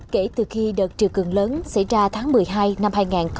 kể từ khi đợt triều cường lớn xảy ra tháng một mươi hai năm hai nghìn một mươi tám